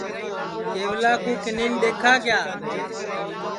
کیولا کُوکِنیں دیکھا کیا